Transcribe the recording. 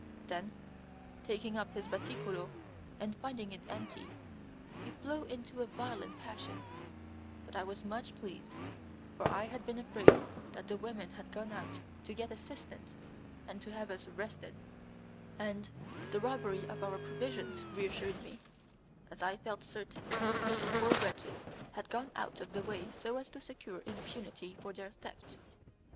Then taking up his batticulo and finding it empty he flew into a violent passion; but I was much pleased, for I had been afraid that the women had gone out to get assistance and to have us arrested, and the robbery of our provisions reassured me, as I felt certain that the poor wretches had gone out of the way so as to secure impunity for their theft.